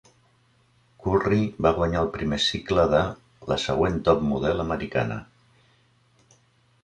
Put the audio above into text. Curry va guanyar el primer cicle de "La següent top model americana".